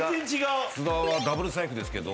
津田はダブル財布ですけど。